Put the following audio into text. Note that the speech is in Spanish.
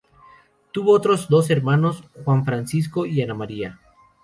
Tuvo otros dos hermanos, Juan Francisco y Ana María.